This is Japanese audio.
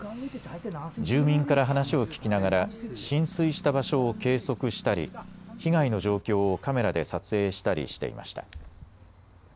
住民から話を聞きながら浸水した場所を計測したり被害の状況をカメラで撮影したりしていました。